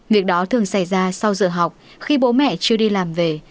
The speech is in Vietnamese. việc đó thường xảy ra sau giờ học khi bố mẹ chưa đi làm về